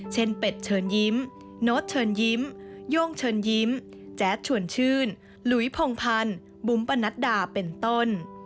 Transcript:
เป็ดเชิญยิ้มโน้ตเชิญยิ้มโย่งเชิญยิ้มแจ๊ดชวนชื่นหลุยพงพันธ์บุ๋มปนัดดาเป็นต้น